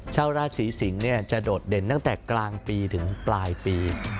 ชาวราศีสิงศ์จะโดดเด่นตั้งแต่กลางปีถึงปลายปี